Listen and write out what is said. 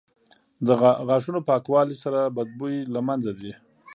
• د غاښونو پاکوالي سره بد بوی له منځه ځي.